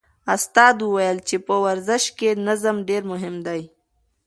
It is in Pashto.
استاد وویل چې په ورزش کې نظم ډېر مهم دی.